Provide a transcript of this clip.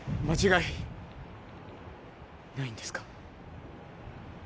間違いないんですか？